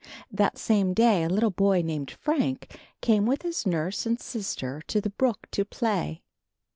That same day a little boy named Frank came with his nurse and sister to the brook to play.